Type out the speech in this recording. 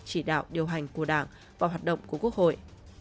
chỉ đạo điều hành của đảng và hoạt động của quốc hội